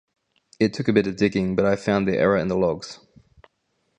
It took a bit of digging but I found the error in the logs